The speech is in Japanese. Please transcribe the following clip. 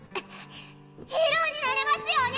ヒーローになれますように！